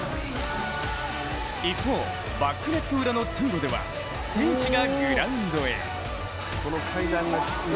一方、バックネット裏の通路では選手がグラウンドへ。